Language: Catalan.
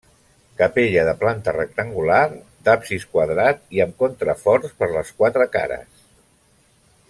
Capella de planta rectangular, d'absis quadrat i amb contraforts per les quatre cares.